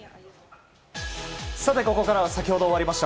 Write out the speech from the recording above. ここからは先ほど終わりました